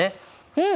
うん！